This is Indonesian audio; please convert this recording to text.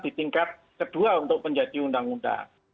di tingkat kedua untuk menjadi undang undang